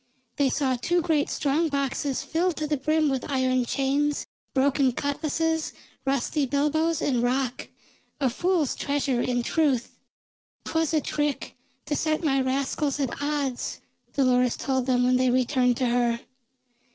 They saw two great strong boxes filled to the brim with iron chains, broken cutlases, rusty bilboes, and rock; a fool's treasure in truth. "'Twas a trick to set my rascals at odds," Dolores told them when they returned to her.